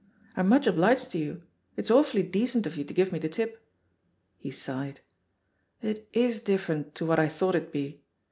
"I'm much obliged to you ; it's awfully decent of you to give me the tip." He sighed. "It is different to what I thought it'd be.